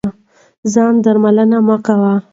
ځان درملنه مه کوئ.